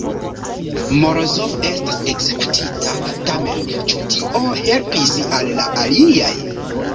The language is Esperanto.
Morozov estas ekzekutita, tamen ĉu tio helpis al la aliaj?